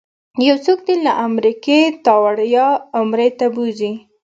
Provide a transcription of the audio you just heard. یو څوک دې له امریکې تا وړیا عمرې ته بوځي.